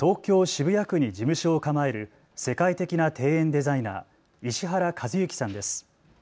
渋谷区に事務所を構える世界的な庭園デザイナー、石原和幸さんです。